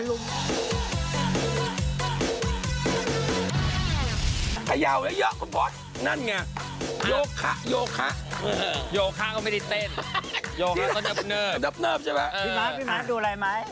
ทุกอย่างดีเหรอ